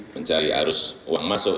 mencari arus uang masuk